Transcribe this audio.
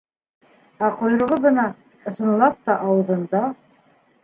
Ә ҡойроғо бына, ысынлап та, ауыҙында.